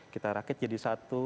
kita rakit jadi satu